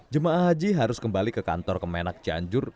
jemaah haji harus kembali ke kantor kemenak cianjur